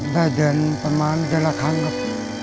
ได้เดือนประมาณเดือนละครั้งครับ